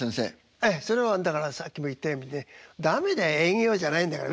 はいそれはだからさっきも言ったようにね「駄目だよ営業じゃないんだから。